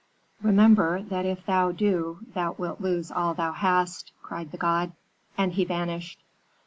"'Remember that if thou do thou wilt lose all thou hast,' cried the god; and he vanished.